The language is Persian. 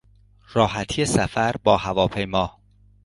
راحتی سفر با هواپیما